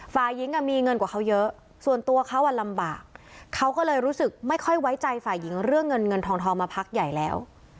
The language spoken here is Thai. ฝ่ายหญิงมีเงินกว่าเขาเยอะส่วนตัวเขาลำบากเขาก็เลยรู้สึกไม่ค่อยไว้ใจฝ่ายหญิงเรื่องเงินเงินทองมาพักใหญ่แล้ว